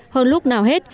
hơn lúc nào hết